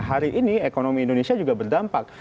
hari ini ekonomi indonesia juga berdampak